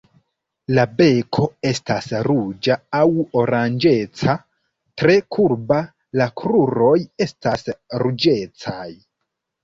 La beko estas ruĝa aŭ oranĝeca, tre kurba, la kruroj estas ruĝecaj.